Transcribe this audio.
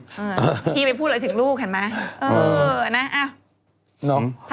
พี่ไปพูดอะไรถึงลูกเห็นไหมเออนะ